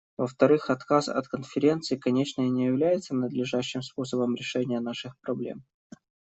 Во-вторых, отказ от Конференции, конечно, не является надлежащим способом решения наших проблем.